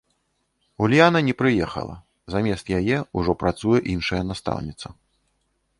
Ульяна не прыехала, замест яе ўжо працуе іншая настаўніца.